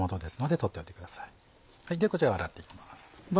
ではこちらを洗って行きます。